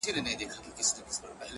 • غنمرنگو کي سوالگري پيدا کيږي،